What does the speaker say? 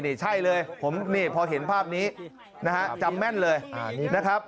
นี่ใช่เลยผมนี่พอเห็นภาพนี้นะฮะจำแม่นเลยนะครับ